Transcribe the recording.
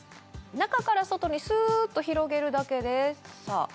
中から外にスーっと広げるだけでさあ